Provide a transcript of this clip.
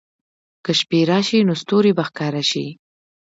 که شپې راشي، نو ستوري به ښکاره شي.